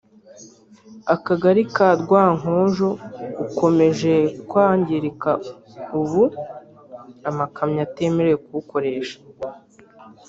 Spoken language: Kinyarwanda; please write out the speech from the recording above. Akagali ka Rwankojo ukomeje kwangirika ubu amakamyo atemerewe kuwukoresha